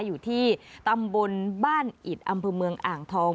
อยู่ที่ตำบลบ้านอิดอำเภอเมืองอ่างทอง